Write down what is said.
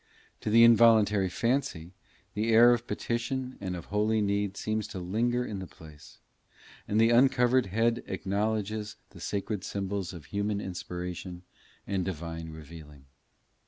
To the involuntary fancy, the air of petition and of holy need seems to linger in the place, and the uncovered head acknowledges the sacred symbols of human inspiration and divine revealing.